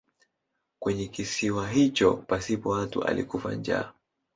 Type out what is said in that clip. Kwenye kisiwa hicho pasipo watu alikufa njaa.